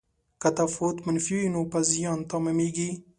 که تفاوت منفي وي نو په زیان تمامیږي.